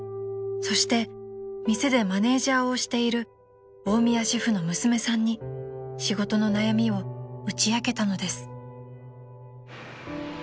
［そして店でマネジャーをしている大宮シェフの娘さんに仕事の悩みを打ち明けたのです］